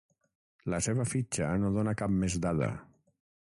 La seva fitxa no dóna cap més dada.